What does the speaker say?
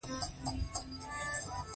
ټولو موټروانانو په پښو باندې ګلګل تړل.